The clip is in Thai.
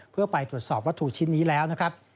เพื่อไปตรวจสอบวัตถุชิ้นนี้แล้วนะครับ